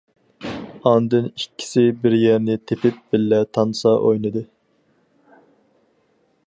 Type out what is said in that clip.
ئاندىن ئىككىسى بىر يەرنى تېپىپ بىللە تانسا ئوينىدى.